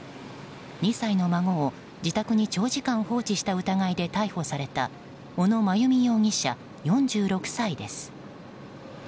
２歳の孫を自宅に長時間放置した疑いで逮捕された小野真由美容疑者、４６歳です。